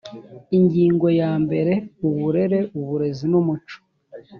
ingingo ya mbere uburere uburezi n umuco